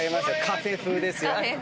カフェ風ですよ。